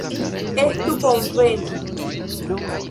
Estu bonvena!